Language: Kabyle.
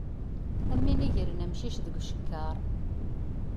Am win yegren amcic deg ucekkaṛ.